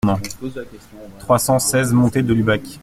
trois cent seize montée de l'Ubac